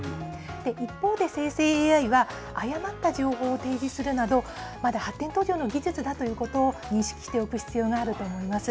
一方で生成ＡＩは誤った情報を提示するなどまだ発展途上ので技術だということを認識しておく必要があると思います。